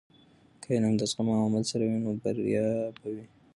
که علم د زغم او عمل سره وي، نو بریا به وي.